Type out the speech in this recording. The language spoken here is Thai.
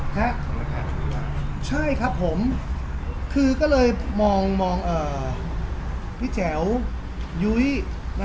ใช่ใช่ครับผมคือก็เลยมองมองเอ่อพี่แจ๋วยุ้ยนะฮะ